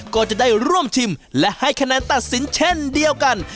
ก็จะได้ร่วมชิมและให้คะแนนตัดสินเช่นเดียวกัน